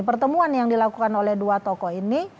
pertemuan yang dilakukan oleh dua tokoh ini